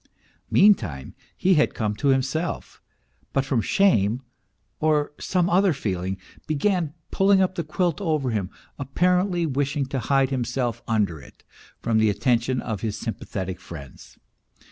Meantime he had come to him self, but from shame or some other feeling, began pulling up the quilt over him, apparently wishing to hide himself under it from the attention of his sympathetic friends.